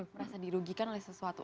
merasa dirugikan oleh sesuatu